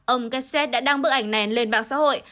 ông kesset đã đăng bức ảnh nền lên bảng xã hội